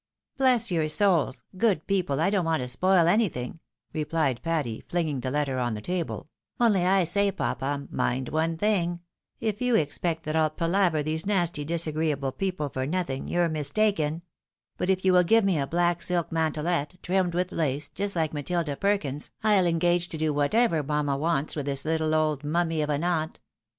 " Bless your souls ! good people, I don't want to spoil any thing," rephed Patty, flinging the letter on the table ;" only I say, papa, mind one thing — ^if you expect that I'll palaver these nasty, disagreeable people for nothing, you're mistaken ; but if you will give me a black silk mantelet, trimmed with lace, just like Matilda Perkins's, I'll engage to do whatever mamma wants with this little old mummy of an aunt.